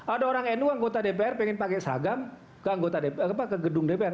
ada orang nu anggota dpr pengen pakai seragam ke gedung dpr